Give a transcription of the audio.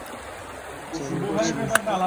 ঠিক আছে, আমি ওকে চিনি।